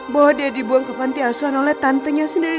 bahwa dia dibuang ke panti asuhan oleh tantenya sendiri